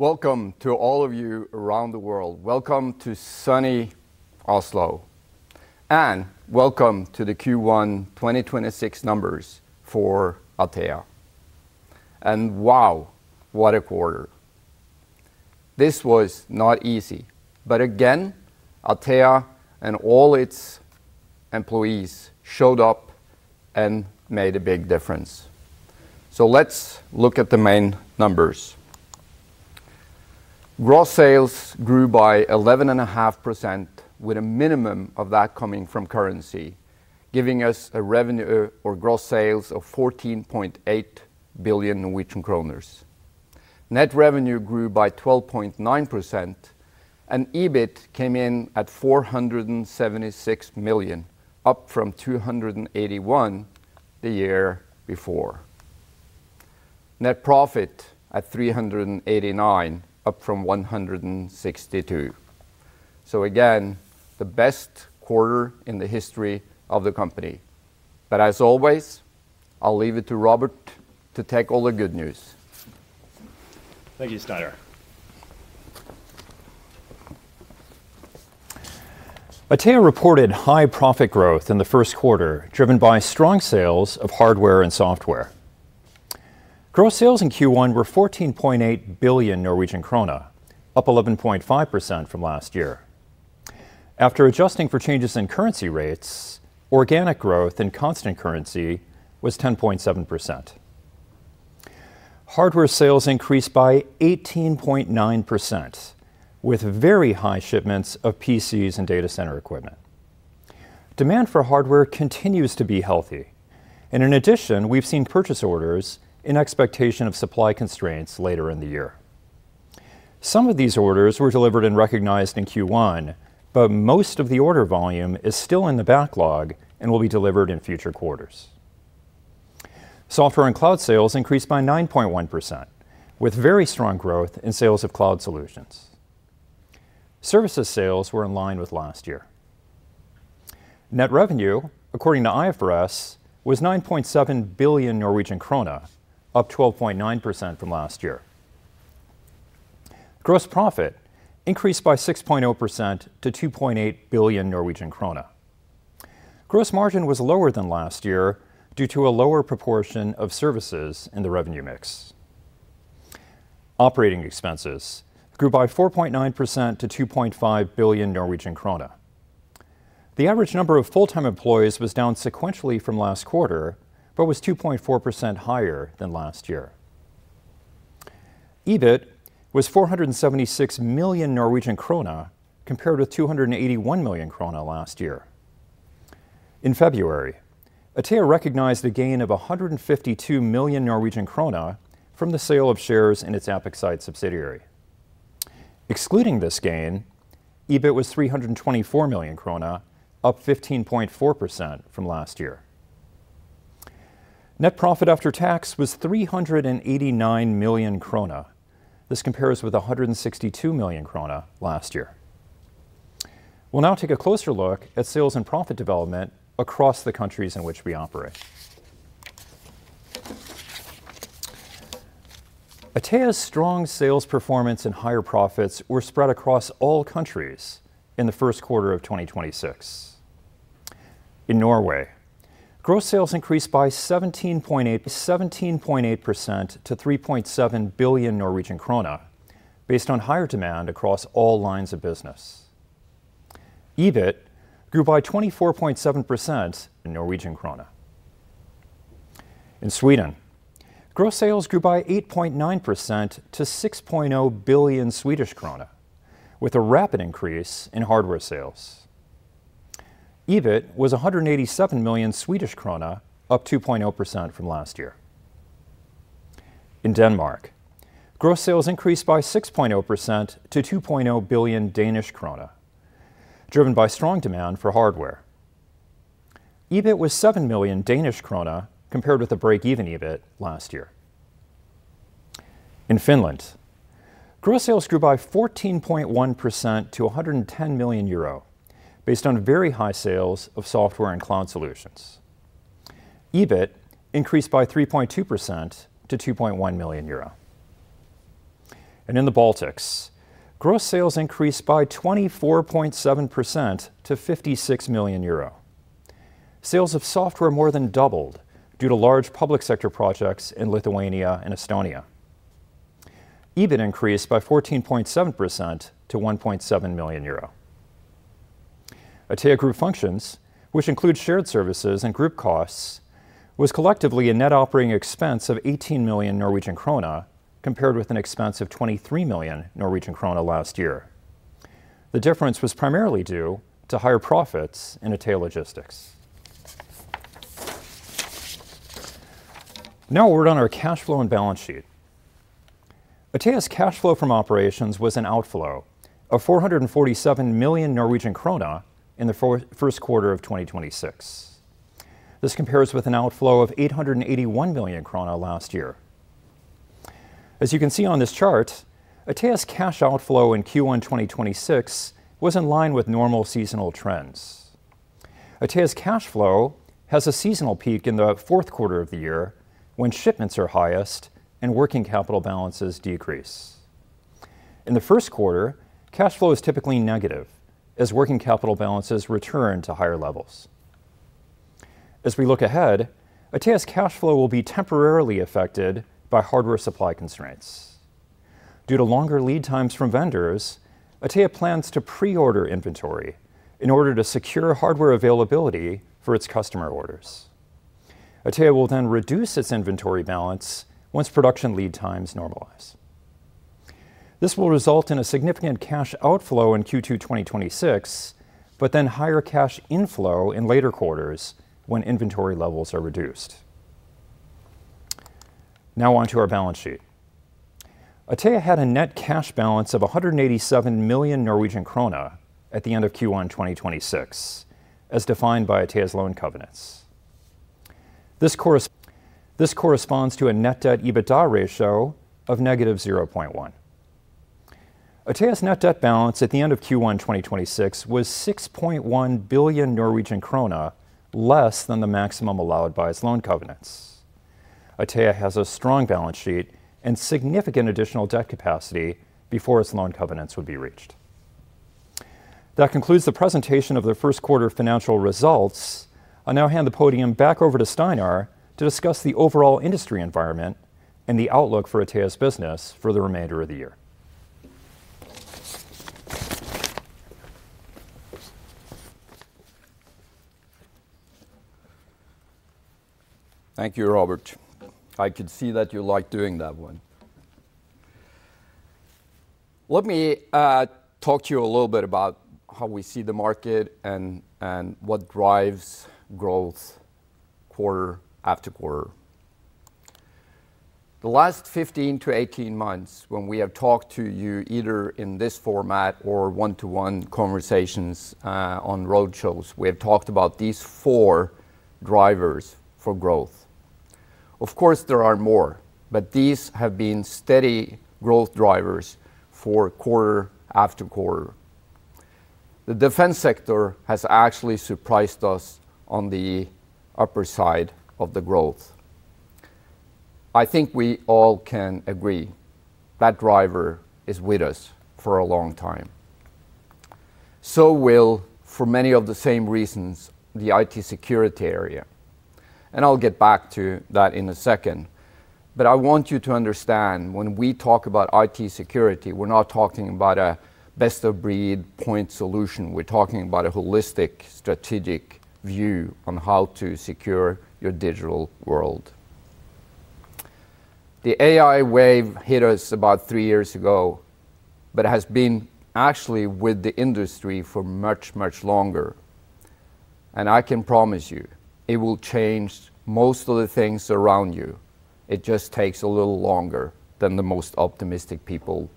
Welcome to all of you around the world. Welcome to sunny Oslo, and welcome to the Q1 2026 numbers for Atea. Wow, what a quarter. This was not easy, but again, Atea and all its employees showed up and made a big difference. Let's look at the main numbers. Gross sales grew by 11.5%, with a minimum of that coming from currency, giving us a revenue or gross sales of 14.8 billion Norwegian kroner. Net revenue grew by 12.9%, and EBIT came in at 476 million, up from 281 million the year before. Net profit at 389 million, up from 162 million. Again, the best quarter in the history of the company. As always, I'll leave it to Robert to take all the good news. Thank you, Steinar. Atea reported high profit growth in the first quarter, driven by strong sales of hardware and software. Gross sales in Q1 were 14.8 billion Norwegian krone, up 11.5% from last year. After adjusting for changes in currency rates, organic growth in constant currency was 10.7%. Hardware sales increased by 18.9%, with very high shipments of PCs and data center equipment. Demand for hardware continues to be healthy, and in addition, we've seen purchase orders in expectation of supply constraints later in the year. Some of these orders were delivered and recognized in Q1, but most of the order volume is still in the backlog and will be delivered in future quarters. Software and cloud sales increased by 9.1%, with very strong growth in sales of cloud solutions. Services sales were in line with last year. Net revenue, according to IFRS, was 9.7 billion Norwegian krone, up 12.9% from last year. Gross profit increased by 6.0% to 2.8 billion Norwegian krone. Gross margin was lower than last year due to a lower proportion of services in the revenue mix. Operating expenses grew by 4.9% to 2.5 billion Norwegian krone. The average number of full-time employees was down sequentially from last quarter but was 2.4% higher than last year. EBIT was 476 million Norwegian krone, compared with 281 million krone last year. In February, Atea recognized a gain of 152 million Norwegian krone from the sale of shares in its AppXite subsidiary. Excluding this gain, EBIT was 324 million krone, up 15.4% from last year. Net profit after tax was 389 million krone. This compares with 162 million krone last year. We'll now take a closer look at sales and profit development across the countries in which we operate. Atea's strong sales performance and higher profits were spread across all countries in the first quarter of 2026. In Norway, gross sales increased by 17.8% to 3.7 billion Norwegian krone based on higher demand across all lines of business. EBIT grew by 24.7% in Norwegian krone. In Sweden, gross sales grew by 8.9% to 6.0 billion Swedish krone, with a rapid increase in hardware sales. EBIT was 187 million Swedish krona, up 2.0% from last year. In Denmark, gross sales increased by 6.0% to 2.0 billion Danish krone, driven by strong demand for hardware. EBIT was 7 million Danish krone, compared with a break-even EBIT last year. In Finland, gross sales grew by 14.1% to 110 million euro, based on very high sales of software and cloud solutions. EBIT increased by 3.2% to 2.1 million euro. In the Baltics, gross sales increased by 24.7% to 56 million euro. Sales of software more than doubled due to large public sector projects in Lithuania and Estonia. EBIT increased by 14.7% to 1.7 million euro. Atea Group Functions, which includes shared services and group costs, was collectively a net operating expense of 18 million Norwegian krone, compared with an expense of 23 million Norwegian krone last year. The difference was primarily due to higher profits in Atea Logistics. Now a word on our cash flow and balance sheet. Atea's cash flow from operations was an outflow of 447 million Norwegian krone in the first quarter of 2026. This compares with an outflow of 881 million krone last year. As you can see on this chart, Atea's cash outflow in Q1 2026 was in line with normal seasonal trends. Atea's cash flow has a seasonal peak in the fourth quarter of the year when shipments are highest and working capital balances decrease. In the first quarter, cash flow is typically negative as working capital balances return to higher levels. As we look ahead, Atea's cash flow will be temporarily affected by hardware supply constraints. Due to longer lead times from vendors, Atea plans to pre-order inventory in order to secure hardware availability for its customer orders. Atea will then reduce its inventory balance once production lead times normalize. This will result in a significant cash outflow in Q2 2026, but then higher cash inflow in later quarters when inventory levels are reduced. Now on to our balance sheet. Atea had a net cash balance of 187 million Norwegian krone at the end of Q1 2026, as defined by Atea's loan covenants. This corresponds to a net debt EBITDA ratio of -0.1. Atea's net debt balance at the end of Q1 2026 was 6.1 billion Norwegian krone, less than the maximum allowed by its loan covenants. Atea has a strong balance sheet and significant additional debt capacity before its loan covenants would be reached. That concludes the presentation of the first quarter financial results. I now hand the podium back over to Steinar to discuss the overall industry environment and the outlook for Atea's business for the remainder of the year. Thank you, Robert. I could see that you like doing that one. Let me talk to you a little bit about how we see the market and what drives growth quarter after quarter. The last 15-18 months when we have talked to you either in this format or one-to-one conversations on roadshows, we have talked about these four drivers for growth. Of course, there are more, but these have been steady growth drivers for quarter after quarter. The defense sector has actually surprised us on the upper side of the growth. I think we all can agree that driver is with us for a long time. Will, for many of the same reasons, the IT security area, and I'll get back to that in a second. I want you to understand when we talk about IT security, we're not talking about a best-of-breed point solution. We're talking about a holistic, strategic view on how to secure your digital world. The AI wave hit us about three years ago but has been actually with the industry for much, much longer, and I can promise you it will change most of the things around you. It just takes a little longer than the most optimistic people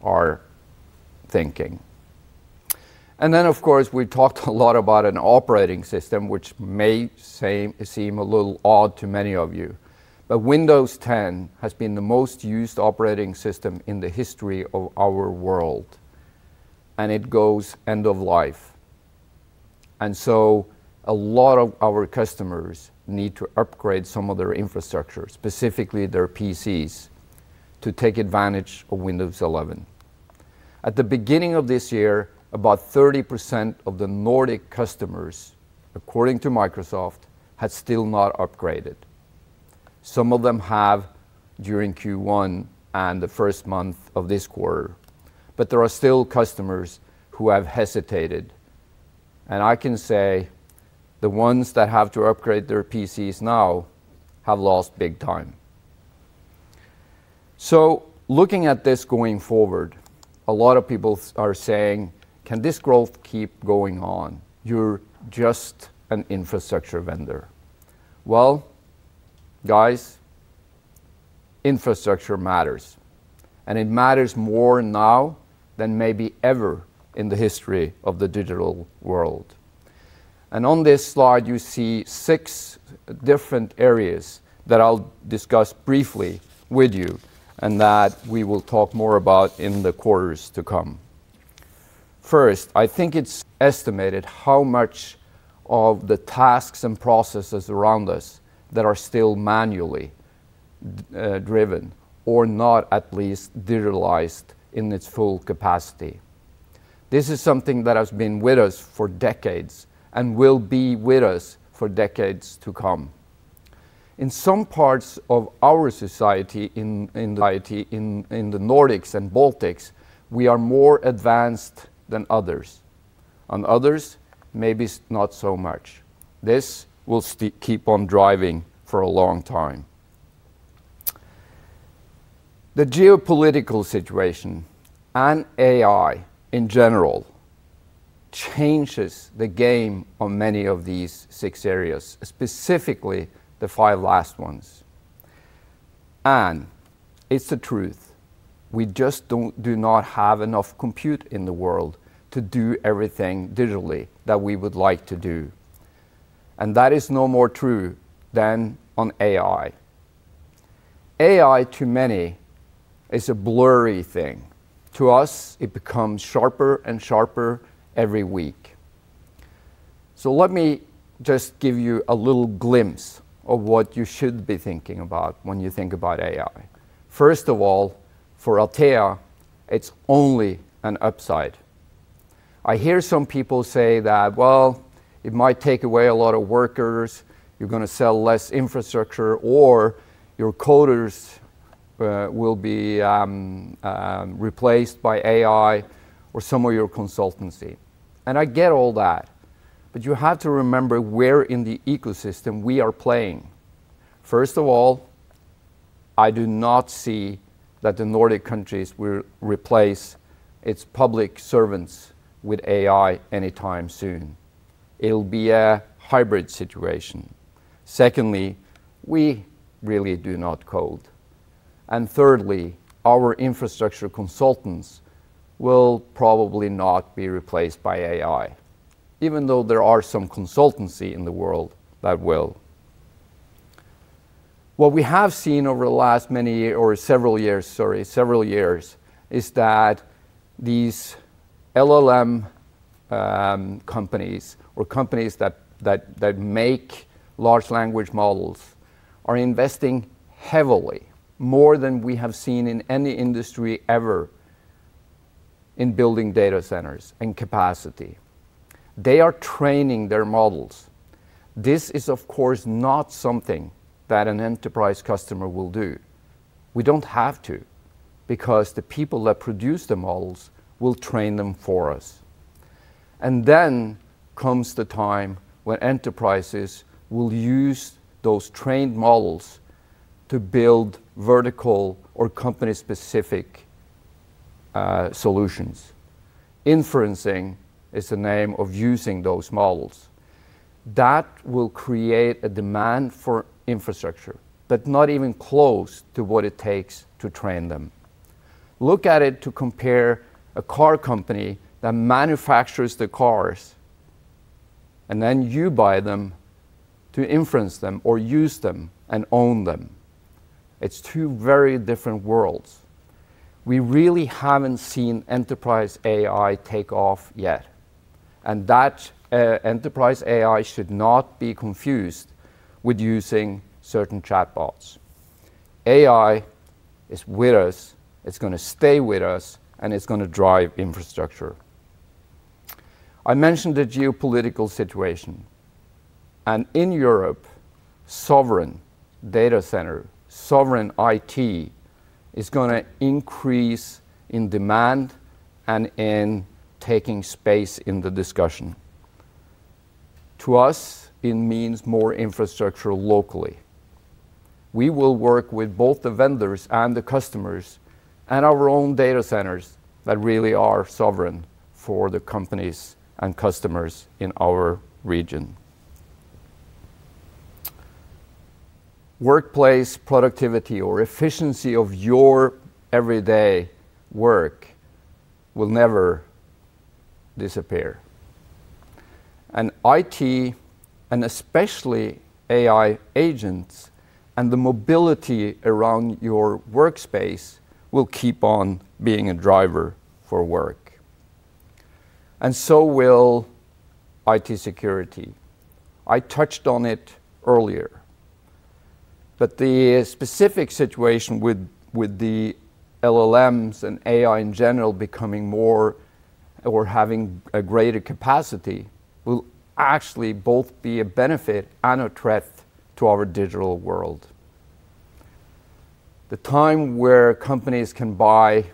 are thinking. Of course, we talked a lot about an operating system which may seem a little odd to many of you. Windows 10 has been the most used operating system in the history of our world, and it goes end of life. A lot of our customers need to upgrade some of their infrastructure, specifically their PCs, to take advantage of Windows 11. At the beginning of this year, about 30% of the Nordic customers, according to Microsoft, had still not upgraded. Some of them have during Q1 and the first month of this quarter, but there are still customers who have hesitated. I can say the ones that have to upgrade their PCs now have lost big time. Looking at this going forward, a lot of people are saying, "Can this growth keep going on? You're just an infrastructure vendor." Well, guys, infrastructure matters, and it matters more now than maybe ever in the history of the digital world. On this slide you see six different areas that I'll discuss briefly with you and that we will talk more about in the quarters to come. First, I think it's estimated how much of the tasks and processes around us that are still manually driven or not at least digitalized in its full capacity. This is something that has been with us for decades and will be with us for decades to come. In some parts of our society in IT, in the Nordics and Baltics, we are more advanced than others, and others maybe not so much. This will keep on driving for a long time. The geopolitical situation and AI in general changes the game on many of these six areas, specifically the five last ones. It's the truth, we just do not have enough compute in the world to do everything digitally that we would like to do, and that is no more true than on AI. AI to many is a blurry thing. To us, it becomes sharper and sharper every week. Let me just give you a little glimpse of what you should be thinking about when you think about AI. First of all, for Atea, it's only an upside. I hear some people say that, "Well, it might take away a lot of workers, you're gonna sell less infrastructure, or your coders will be replaced by AI or some of your consultancy." I get all that, but you have to remember where in the ecosystem we are playing. First of all, I do not see that the Nordic countries will replace its public servants with AI anytime soon. It'll be a hybrid situation. Secondly, we really do not code. And thirdly, our infrastructure consultants will probably not be replaced by AI, even though there are some consultancy in the world that will. What we have seen over the last several years is that these LLM companies that make large language models are investing heavily, more than we have seen in any industry ever, in building data centers and capacity. They are training their models. This is, of course, not something that an enterprise customer will do. We don't have to, because the people that produce the models will train them for us. comes the time when enterprises will use those trained models to build vertical or company-specific solutions. Inferencing is the name of using those models. That will create a demand for infrastructure, but not even close to what it takes to train them. Look at it to compare a car company that manufactures the cars and then you buy them to inference them or use them and own them. It's two very different worlds. We really haven't seen enterprise AI take off yet, and that enterprise AI should not be confused with using certain chatbots. AI is with us, it's gonna stay with us, and it's gonna drive infrastructure. I mentioned the geopolitical situation, and in Europe, sovereign data center, sovereign IT is gonna increase in demand and in taking space in the discussion. To us, it means more infrastructure locally. We will work with both the vendors and the customers and our own data centers that really are sovereign for the companies and customers in our region. Workplace productivity or efficiency of your everyday work will never disappear. IT, and especially AI agents and the mobility around your workspace, will keep on being a driver for work. Will IT security. I touched on it earlier, but the specific situation with the LLMs and AI in general becoming more or having a greater capacity will actually both be a benefit and a threat to our digital world. The time where companies can buy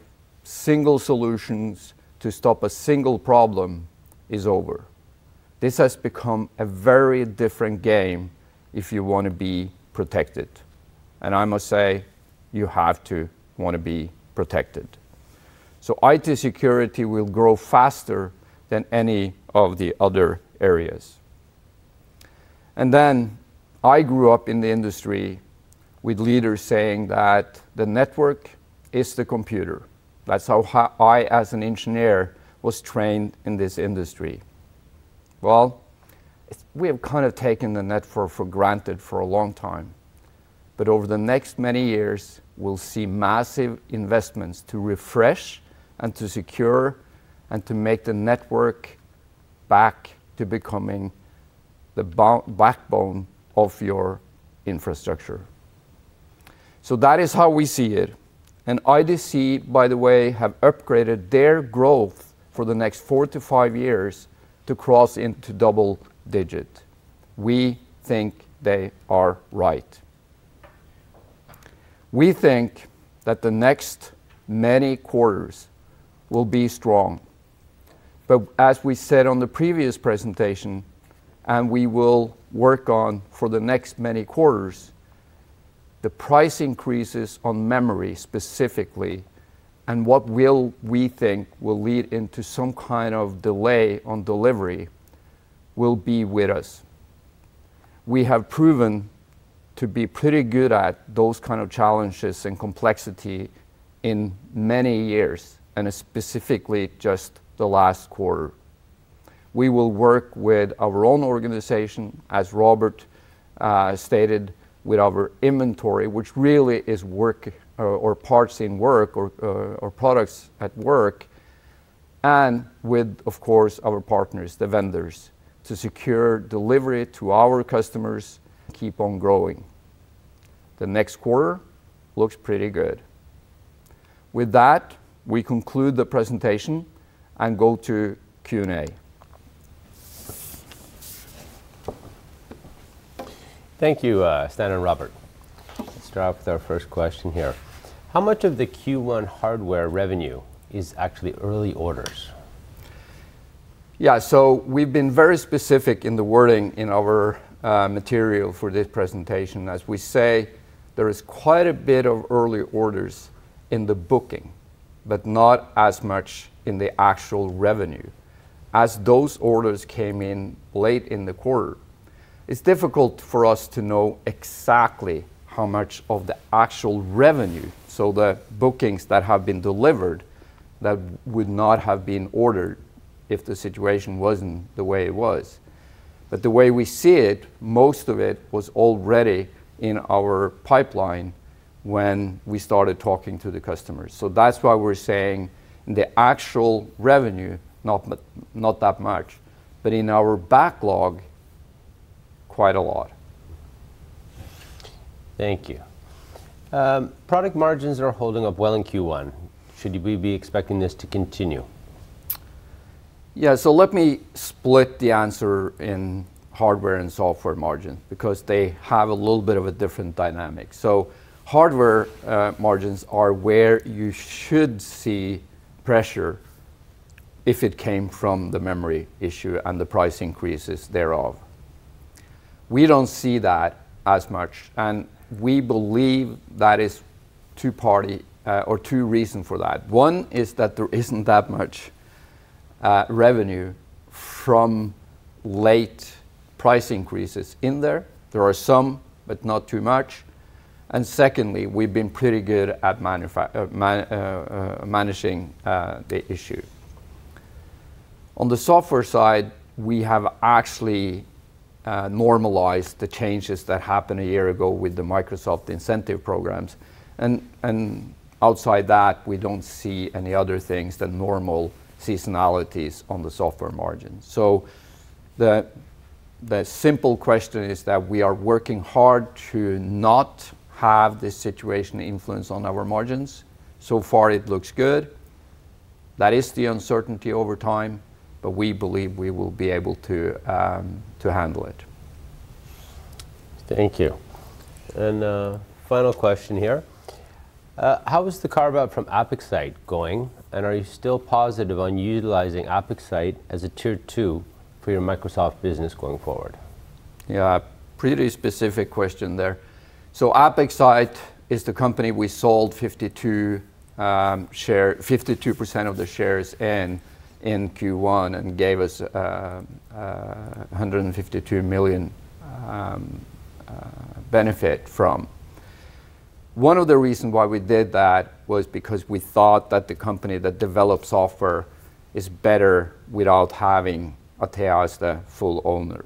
single solutions to stop a single problem is over. This has become a very different game if you wanna be protected, and I must say, you have to wanna be protected. IT security will grow faster than any of the other areas. I grew up in the industry with leaders saying that the network is the computer. That's how I, as an engineer, was trained in this industry. Well, we have kind of taken the network for granted for a long time. Over the next many years, we'll see massive investments to refresh and to secure and to make the network back to becoming the backbone of your infrastructure. That is how we see it. IDC, by the way, have upgraded their growth for the next four to five years to cross into double digits. We think they are right. We think that the next many quarters will be strong. As we said on the previous presentation, and we will work on for the next many quarters, the price increases on memory specifically and what we think will lead into some kind of delay on delivery will be with us. We have proven to be pretty good at those kind of challenges and complexity in many years, and specifically just the last quarter. We will work with our own organization, as Robert stated, with our inventory, which really is work, or parts in work, or products at work, and with, of course, our partners, the vendors, to secure delivery to our customers keep on growing. The next quarter looks pretty good. With that, we conclude the presentation and go to Q&A. Thank you, Stein and Robert. Let's start with our first question here. How much of the Q1 hardware revenue is actually early orders? Yeah, we've been very specific in the wording in our material for this presentation. As we say, there is quite a bit of early orders in the booking, but not as much in the actual revenue, as those orders came in late in the quarter. It's difficult for us to know exactly how much of the actual revenue, so the bookings that have been delivered, that would not have been ordered if the situation wasn't the way it was. The way we see it, most of it was already in our pipeline when we started talking to the customers. That's why we're saying in the actual revenue, not that much, but in our backlog, quite a lot. Thank you. Product margins are holding up well in Q1. Should we be expecting this to continue? Yeah, let me split the answer in hardware and software margin, because they have a little bit of a different dynamic. Hardware margins are where you should see pressure if it came from the memory issue and the price increases thereof. We don't see that as much, and we believe that is two-part or two reasons for that. One is that there isn't that much revenue from late price increases in there. There are some, but not too much. Secondly, we've been pretty good at managing the issue. On the software side, we have actually normalized the changes that happened a year ago with the Microsoft incentive programs, and outside that, we don't see any other things than normal seasonalities on the software margin. The simple question is that we are working hard to not have this situation influence on our margins. So far it looks good. That is the uncertainty over time, but we believe we will be able to handle it. Thank you. Final question here. How is the carve-out from AppXite going, and are you still positive on utilizing AppXite as a tier two for your Microsoft business going forward? Yeah. Pretty specific question there. AppXite is the company we sold 52% of the shares in Q1 and gave us 152 million benefit from. One of the reason why we did that was because we thought that the company that develops software is better without having Atea as the full owner.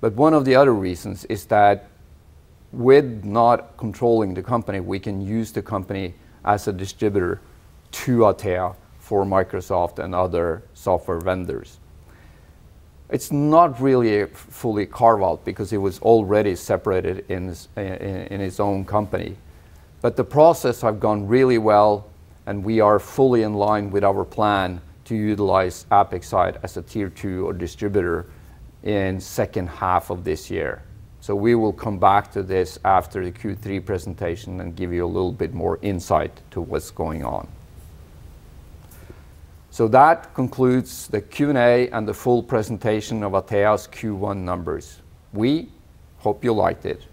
One of the other reasons is that with not controlling the company, we can use the company as a distributor to Atea for Microsoft and other software vendors. It's not really a fully carve-out because it was already separated in its own company, but the process have gone really well, and we are fully in line with our plan to utilize AppXite as a tier two or distributor in second half of this year. We will come back to this after the Q3 presentation and give you a little bit more insight to what's going on. That concludes the Q&A and the full presentation of Atea's Q1 numbers. We hope you liked it.